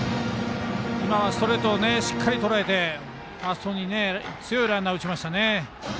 今はストレートをしっかりとらえてファーストに強いライナーを放ちましたね。